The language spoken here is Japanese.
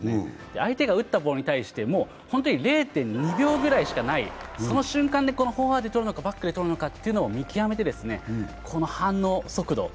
相手が打ったボールに対して、０．２秒くらいしかない、その瞬間でフォアでとるのかバックでとるのかを見極めて、この反応速度。